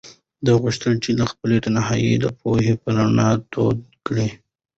ده غوښتل چې خپله تنهایي د پوهې په رڼا توده کړي.